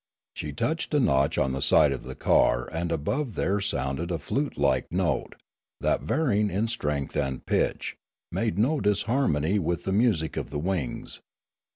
She touched a notch in the side of the car and above there sounded a flute like note, that, varying in strength and pitch, made no disharmony with the music of the wings.